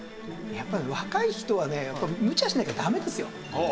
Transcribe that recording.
やっぱり若い人はねむちゃしなきゃダメですよ。